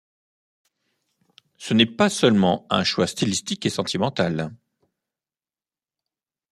Ce n'est pas seulement un choix stylistique et sentimental.